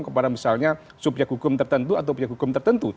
kepada misalnya subyek hukum tertentu atau obyek hukum tertentu